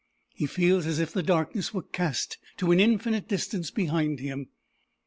He feels as if the darkness were cast to an infinite distance behind him.